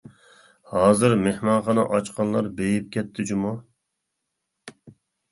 -ھازىر مېھمانخانا ئاچقانلار بېيىپ كەتتى جۇمۇ.